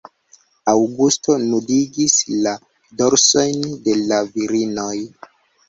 Aŭgusto nudigis la dorsojn de la virinoj.